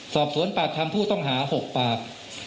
สอบสวนปากคำผู้ต้องหา๖ปาก